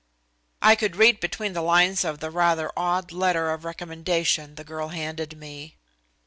I could read between the lines of the rather odd letter of recommendation the girl handed me.